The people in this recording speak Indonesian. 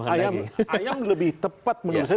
ayam ayam lebih tepat menurut saya